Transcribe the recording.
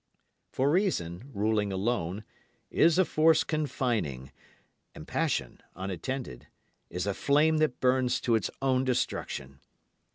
For reason, ruling alone, is a force confining; and passion, unattended, is a flame that burns to its own destruction.